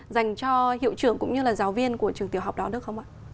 dành cho hiệu trưởng cũng như là giáo viên của trường tiểu học đó được không ạ